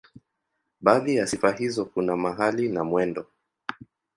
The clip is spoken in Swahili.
Baadhi ya sifa hizo kuna mahali na mwendo.